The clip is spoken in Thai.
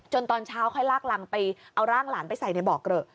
จนตอนเช้าค่อยลากลังเอาร่างหลานไปใส่ในบอกเกลอ